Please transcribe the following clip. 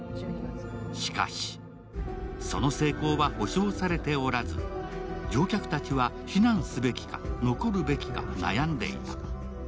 しかし、その成功は保証されておらず、乗客たちは避難すべきか残るべきか悩んでいた。